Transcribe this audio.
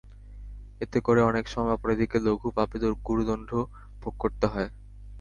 এতে করে অনেক সময় অপরাধীকে লঘু পাপে গুরুদণ্ড ভোগ করতে হয়।